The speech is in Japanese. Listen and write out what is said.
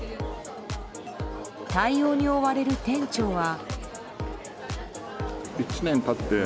対応に追われる店長は。